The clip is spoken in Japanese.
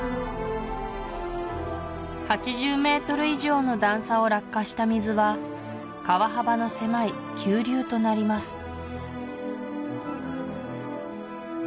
８０ｍ以上の段差を落下した水は川幅の狭い急流となります